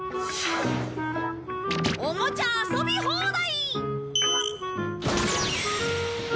「おもちゃ遊び放題」！